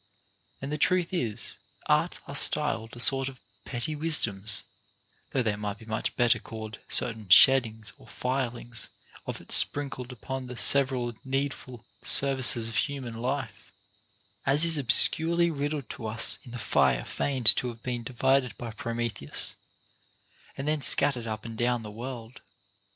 And the truth is, arts are styled a sort of petty wisdoms, though they might be much better called certain sheddings or filings of it sprinkled upon the several needful services of human life ; as is obscurely rid dled to us in the fire feigned to have been first divided by Prometheus, and then scattered up and down the world.